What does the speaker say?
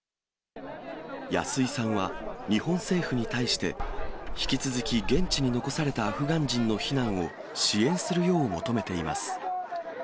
安井さんは日本政府に対して、引き続き現地に残されたアフガン人の避難を支援するよう求めています。